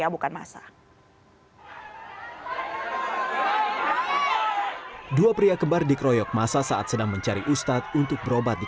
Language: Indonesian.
pembukaan masa hai hai hai dua pria kembar dikroyok masa saat sedang mencari ustadz untuk berobat di